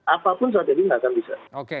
apapun strategi nggak akan bisa